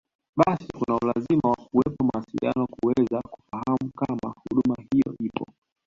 Basi kuna ulazima wa kuwepo mawasiliano kuweza kufahamu kama huduma hiyo ipo